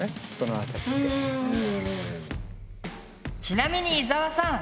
ちなみに伊沢さん。